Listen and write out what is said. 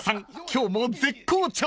今日も絶好調！］